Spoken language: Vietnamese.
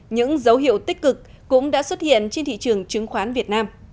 những dấu hiệu tích cực cũng đã xuất hiện trên thị trường chứng khoán việt nam